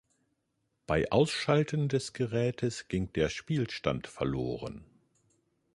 Bei Ausschalten des Gerätes ging der Spielstand verloren.